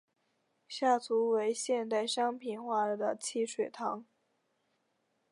下图为现代商品化的汽水糖。